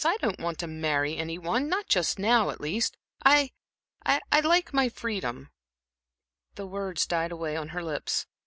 I don't want to marry any one not just now, at least. I I like my freedom" The words died away on her lips.